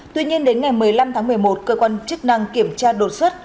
tuy nhiên đến ngày một mươi năm tháng một mươi một cơ quan chức năng kiểm tra đột xuất